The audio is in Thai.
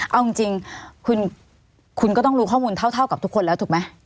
เอาจริงคุณก็ต้องรู้ข้อมูลเท่ากับทุกคนแล้วถูกไหม